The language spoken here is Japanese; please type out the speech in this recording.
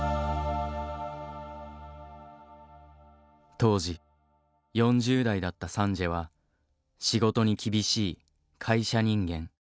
当時４０代だったサンジエは仕事に厳しい会社人間。